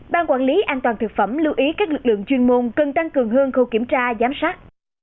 ban quản lý an toàn thực phẩm lưu ý các lực lượng chuyên môn cần tăng cường hơn khâu kiểm tra giám sát